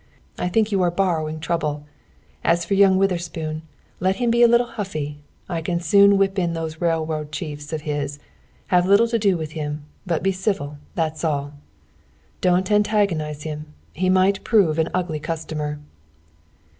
I think you are borrowing trouble. As for young Witherspoon, let him be a little huffy. I can soon whip in those railroad chiefs of his. Have little to do with him, but be civil that's all. "Don't antagonize him. He might prove an ugly customer."